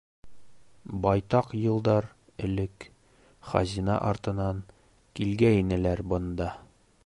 — Байтаҡ йылдар элек хазина артынан килгәйнеләр бында.